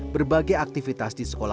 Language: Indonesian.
berbagai aktivitas diseluruh dunia